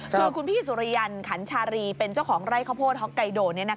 คือคุณพี่สุริยันขันชารีเป็นเจ้าของไร่ข้าวโพดฮอกไกโด